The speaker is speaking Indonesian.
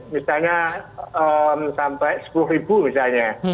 misalnya sampai sepuluh ribu misalnya